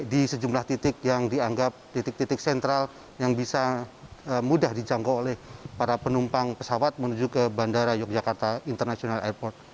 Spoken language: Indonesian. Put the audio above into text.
di sejumlah titik yang dianggap titik titik sentral yang bisa mudah dijangkau oleh para penumpang pesawat menuju ke bandara yogyakarta international airport